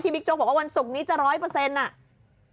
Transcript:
บิ๊กโจ๊กบอกว่าวันศุกร์นี้จะร้อยเปอร์เซ็นต์อ่ะ